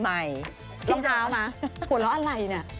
หัวแล้วอะไรเนี่ย